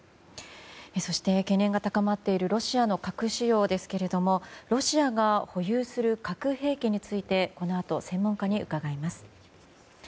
そして懸念が高まっているロシアの核使用ですけどもロシアが保有する核兵器についてこのあと、専門家に伺います。